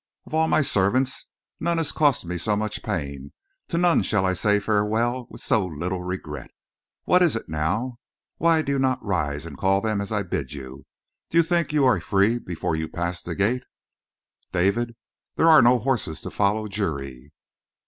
Of all my servants none has cost me so much pain; to none shall I say farewell with so little regret. What is it now? Why do you not rise and call them as I bid you? Do you think you are free before you pass the gates?" "David, there are no horses to follow Juri!"